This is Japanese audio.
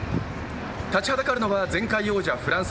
立ちはだかるのは前回王者フランス。